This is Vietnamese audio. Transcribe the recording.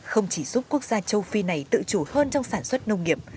không chỉ giúp quốc gia châu phi này tự chủ hơn trong sản xuất nông nghiệp